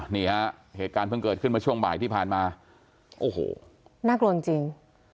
นี่ฮะเหตุการณ์เพิ่งเกิดขึ้นมาช่วงบ่ายที่ผ่านมาโอ้โหน่ากลัวจริงจริง